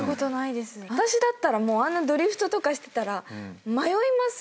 私だったらあんなドリフトとかしてたら迷います。